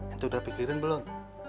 itu udah pikirin belum